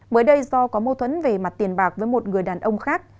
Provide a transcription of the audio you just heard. mới đây do có mâu thuẫn về mặt tiền bạc với một người đàn ông khác